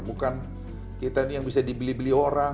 bukan kita ini yang bisa dibeli beli orang